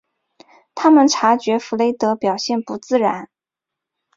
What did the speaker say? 他们察觉弗雷德表现不自然。